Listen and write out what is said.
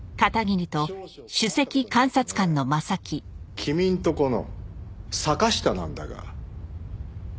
君のとこの坂下なんだが。